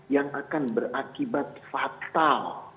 yang akan berakibat fatal